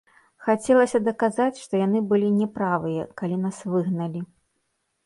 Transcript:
Хацелася даказаць, што яны былі не правыя, калі нас выгналі.